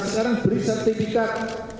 sekarang beri sertifikat